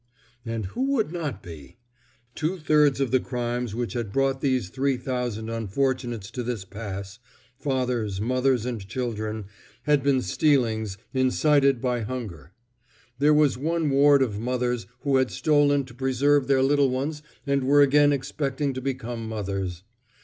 And who would not he? Two thirds of the crimes which had brought these three thousand unfortunates to this pass, fathers, mothers and children, had been stealings incited by hunger. There was one ward of mothers who had stolen to preserve their little ones and were again expecting to become mothers.